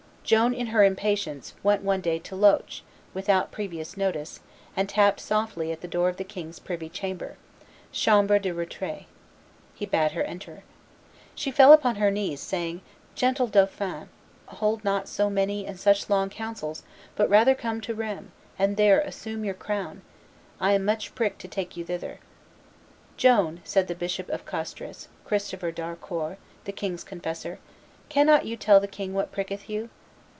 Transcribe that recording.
Joan, in her impatience, went one day to Loches, without previous notice, and tapped softly at the door of the king's privy chamber (chambre de re trait). He bade her enter. She fell upon her knees, saying, "Gentle dauphin, hold not so many and such long councils, but rather come to Rheims, and there assume your crown; I am much pricked to take you thither." "Joan," said the Bishop of Castres, Christopher d'Harcourt, the king's confessor, "cannot you tell the king what pricketh you?"